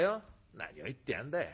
『何を言ってやんだい。